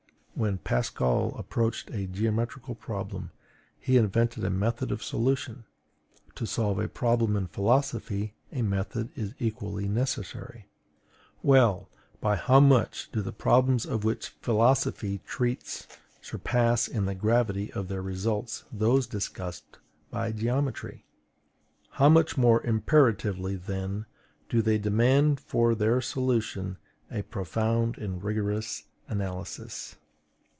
When Pascal approached a geometrical problem, he invented a method of solution; to solve a problem in philosophy a method is equally necessary. Well, by how much do the problems of which philosophy treats surpass in the gravity of their results those discussed by geometry! How much more imperatively, then, do they demand for their solution a profound and rigorous analysis!